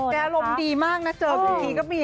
ใช่อารมณ์ดีมากนะเจอบีทีก็มี